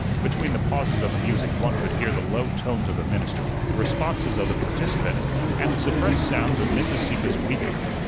Between the pauses of the music one could hear the low tones of the minister, the responses of the participants, and the suppressed sounds of Mrs. Sieppe's weeping.